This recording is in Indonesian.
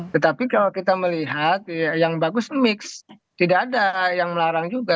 tetapi kalau kita melihat yang bagus mix tidak ada yang melarang juga